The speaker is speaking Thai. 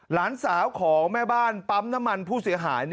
หลานสาวของแม่บ้านปั๊มน้ำมันผู้เสียหาย